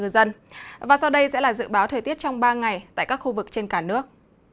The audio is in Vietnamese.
đây sẽ là dự báo thời tiết trong ba ngày tại các khu vực trên cả nước